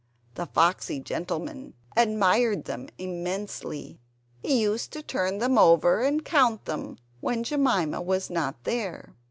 The foxy gentleman admired them immensely. He used to turn them over and count them when Jemima was not there.